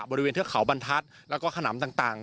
เทือกเขาบรรทัศน์แล้วก็ขนำต่าง